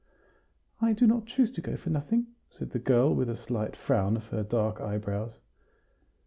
"I do not choose to go for nothing," said the girl, with a slight frown of her dark eyebrows.